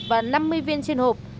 và năm mươi viên trên hộp